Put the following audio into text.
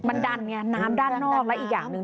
มันดันไงน้ำด้านนอกและอีกอย่างหนึ่ง